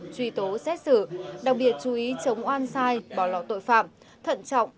truy tố xét xử đồng biệt chú ý chống oan sai bỏ lỏ tội phạm thận trọng